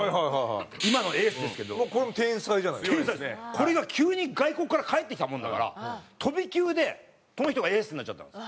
これが急に外国から帰ってきたもんだから飛び級でこの人がエースになっちゃったんです。